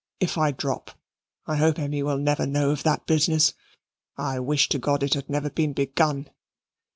If I drop, I hope Emmy will never know of that business. I wish to God it had never been begun!"